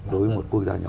đối với một quốc gia nhỏ